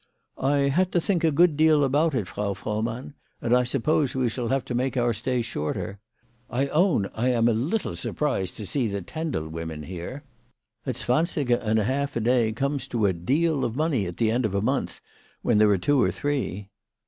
"I had to think a good deal about it, Frau Froh mann ; and I suppose we shall have to make our stay shorter. I own I am a little surprised to see the Tendel women here. A zwansiger and a half a day comes to a deal of money at the end of a month, when there are two or three."